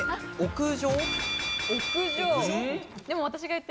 屋上？